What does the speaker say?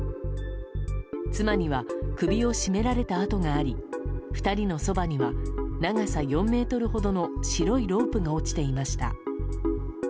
妻には首を絞められた痕があり２人のそばには長さ４ｍほどの白いロープが落ちていました。